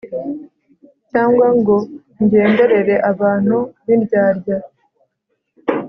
cyangwa ngo ngenderere abantu b'indyarya